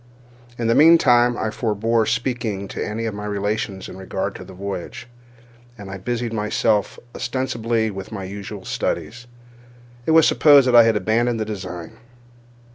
In the meantime I forbore speaking to any of my relations in regard to the voyage, and, as I busied myself ostensibly with my usual studies, it was supposed that I had abandoned the design.